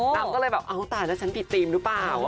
นางก็เลยแบบเอ้าตายแล้วฉันผิดธีมหรือเปล่า